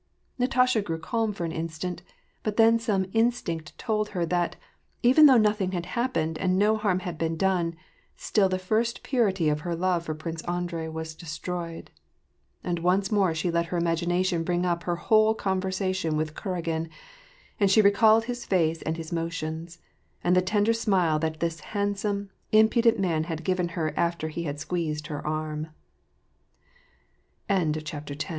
" Natasha grew calm for an instant, but then some instinct told her that, even though nothing had happened and no harm had been done, still the fii'st purity of her love for Prince Andrei was destroyed. And once more she let her imagination bring up her whole conversation with Kuragin, and she recalled his face and his motions, and the tender smile that this handsome, impudent man